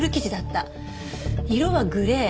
色はグレー。